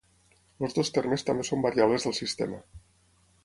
Els dos termes també són variables del sistema.